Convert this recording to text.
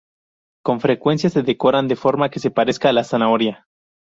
Con frecuencia se decoran de forma que se parezca a la zanahoria.